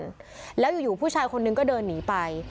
แล้วอยู่ผู้ชายคนนึงก็เดินหนีไป